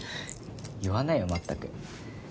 言わないよ全く。